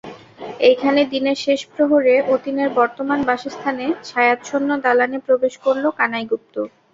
এইখানে দিনের শেষ প্রহরে অতীনের বর্তমান বাসস্থানে ছায়াচ্ছন্ন দালানে প্রবেশ করল কানাই গুপ্ত।